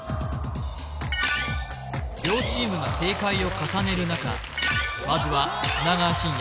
両チームが正解を重ねる中まずは砂川信哉